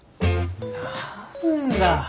何だ